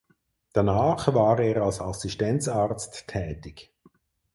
Danach war er als Assistenzarzt tätig.